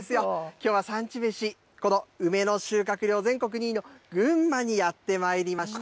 きょうは産地めし、この梅の収穫量全国２位の群馬にやってまいりました。